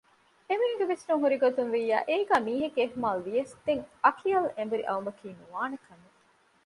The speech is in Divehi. އެމީހުން ގެ ވިސްނުން ހުރިގޮތުންވިއްޔާ އޭގައި މީހެއްގެ އިހުމާލުވިޔަސް ދެން އަކިޔަލް އެނބުރި އައުމަކީ ނުވާނެކަމެއް